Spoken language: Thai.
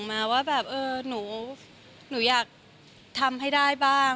เพราะว่ามีเด็กส่งมาว่าหนูอยากทำให้ได้บ้าง